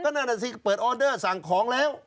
ก็น่าจะเปิดออเดอร์สั่งของแล้ว